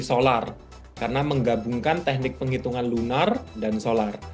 solar karena menggabungkan teknik penghitungan lunar dan solar